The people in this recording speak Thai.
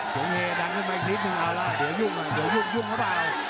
โดนเฮดังขึ้นไปอีกนิดนึงเอาล่ะเดี๋ยวยุ่งยุ่งรึเปล่า